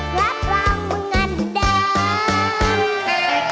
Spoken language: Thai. ขอรีบขอ